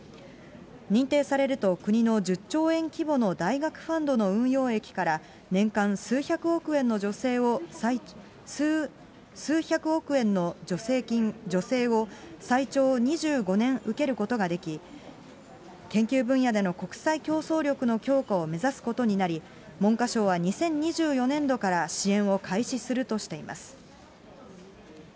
認定すると国の１０兆円規模の大学ファンドの運用益から年間数百億円の助成を最長２５年受けることができ、研究分野での国際競争力の強化を目指すことになり、文科省は２０２４年度から支援を開始するとしています。